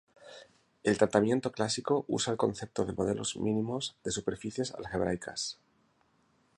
El tratamiento clásico usa el concepto de modelos mínimos de superficies algebraicas.